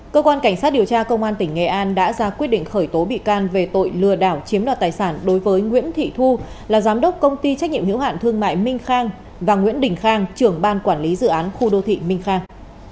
cơ quan cảnh sát điều tra công an tỉnh nghệ an đã ra quyết định khởi tố bị can về tội lừa đảo chiếm đoạt tài sản đối với nguyễn thị thu là giám đốc công ty trách nhiệm hiệu hạn thương mại minh khang và nguyễn đình khang trưởng ban quản lý dự án khu đô thị minh khang